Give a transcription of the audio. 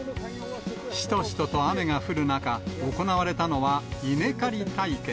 しとしとと雨が降る中、行われたのは稲刈り体験。